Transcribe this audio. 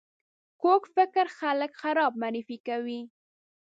کوږ فکر خلک خراب معرفي کوي